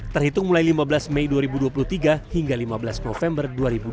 terhitung mulai lima belas mei dua ribu dua puluh tiga hingga lima belas november dua ribu dua puluh